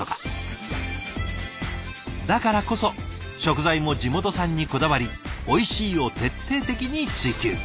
だからこそ食材も地元産にこだわりおいしいを徹底的に追求。